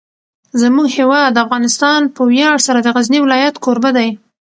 زموږ هیواد افغانستان په ویاړ سره د غزني ولایت کوربه دی.